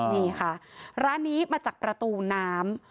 นี่ค่ะร้านนี้มาจากประตูน้ำ